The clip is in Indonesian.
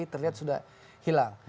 terlihat sudah hilang